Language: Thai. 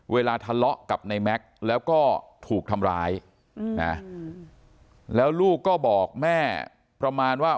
เวลาทะเลาะกับในแม็กซ์แล้วก็ถูกทำร้ายนะแล้วลูกก็บอกแม่ประมาณว่า